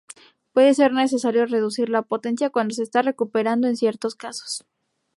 Puede ser necesario reducir la potencia cuando se está recuperando en ciertos casos.